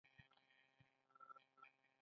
اونۍ یونۍ دونۍ درېنۍ او داسې نور